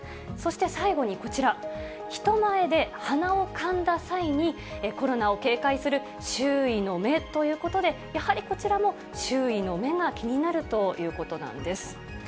そして最後にこちら、人前で鼻をかんだ際に、コロナを警戒する周囲の目ということで、やはりこちらも、周囲の目が気になるということなんです。